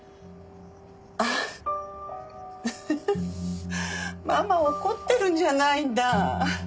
ああウフフママ怒ってるんじゃないんだ。